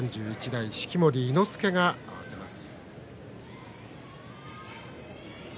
式守伊之助が合わせます。